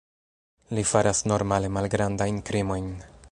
Li faras normale malgrandajn krimojn.